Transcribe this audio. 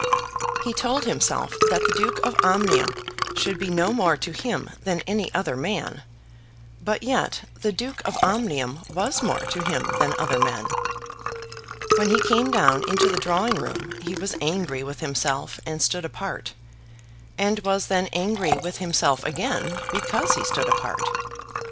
He told himself that the Duke of Omnium should be no more to him than any other man, but yet the Duke of Omnium was more to him than other men. When he came down into the drawing room he was angry with himself, and stood apart; and was then angry with himself again because he stood apart.